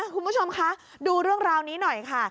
คุณผู้ชมคะดูเรื่องราวนี้หน่อยค่ะ